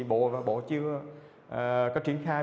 bộ chưa có triển khai